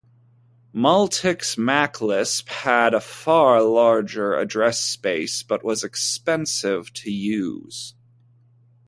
Multics Maclisp had a far larger address space, but was expensive to use.